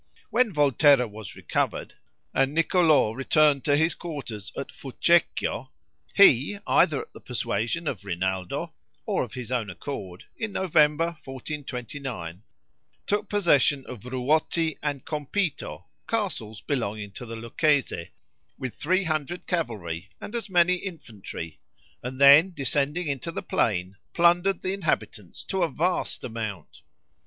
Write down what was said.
When Volterra was recovered, and Niccolo returned to his quarters at Fucecchio, he, either at the persuasion of Rinaldo, or of his own accord, in November, 1429, took possession of Ruoti and Compito, castles belonging to the Lucchese, with three hundred cavalry and as many infantry, and then descending into the plain, plundered the inhabitants to a vast amount.